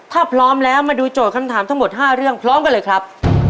ถ้าพร้อมแล้วมาดูโจทย์คำถามทั้งหมด๕เรื่องพร้อมกันเลยครับ